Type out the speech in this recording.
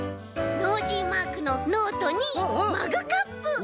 ノージーマークのノートにマグカップ！